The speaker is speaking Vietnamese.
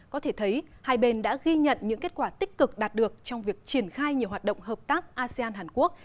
có thể thấy hai bên đã ghi nhận những kết quả tích cực đạt được trong việc triển khai nhiều hoạt động hợp tác asean hàn quốc